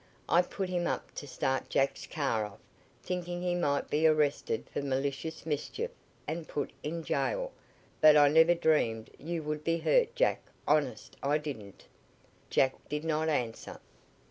I put him up to start Jack's car off, thinking he might be arrested for malicious mischief and put in jail, but I never dreamed you would be hurt, Jack. Honest, I didn't." Jack did not answer.